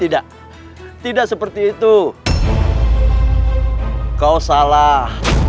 tidak tidak seperti itu kau salah